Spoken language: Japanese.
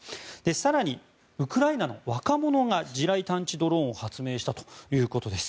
更に、ウクライナの若者が地雷探知ドローンを発明したということです。